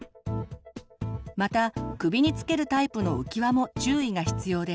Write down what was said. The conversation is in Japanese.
また首につけるタイプの浮き輪も注意が必要です。